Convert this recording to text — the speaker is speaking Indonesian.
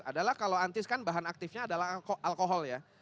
adalah kalau antis kan bahan aktifnya adalah alkohol ya